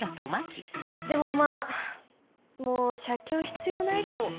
でもまぁもう写経必要ないかも。